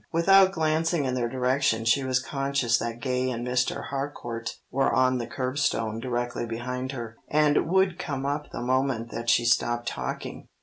Without glancing in their direction she was conscious that Gay and Mr. Harcourt were on the curbstone directly behind her, and would come up the moment that she stopped talking.